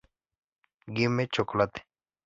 Gimme Chocolate!!